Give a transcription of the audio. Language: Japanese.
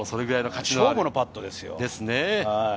勝負のパットですよ。